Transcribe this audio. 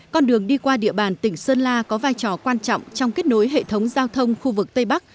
con đường đi qua địa bàn tỉnh sơn la có vai trò quan trọng trong kết nối hệ thống giao thông khu vực tây bắc